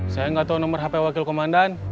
saya gak tau nomor hp wakil komandan